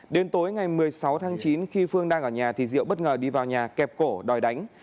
đến tối ngày một mươi sáu tháng chín khi phương đang ở nhà thì diệu bất ngờ đi vào nhà kẹp cổ đòi đánh